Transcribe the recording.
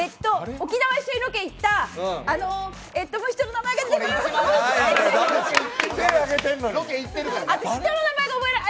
沖縄に一緒にロケ行った、あの、名前が出てこない。